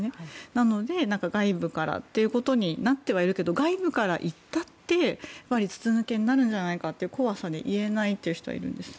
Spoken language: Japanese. なので、外部からということになってはいるけど外部から行ったって筒抜けになるんじゃないかという怖さで言えないという人がいるんです。